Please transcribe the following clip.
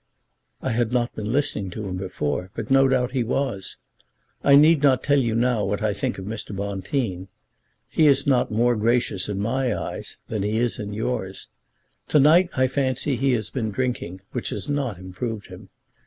"I had not been listening to him before, but no doubt he was. I need not tell you now what I think of Mr. Bonteen. He is not more gracious in my eyes than he is in yours. To night I fancy he has been drinking, which has not improved him.